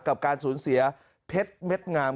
กับการสูญเสียเพชรเม็ดงาม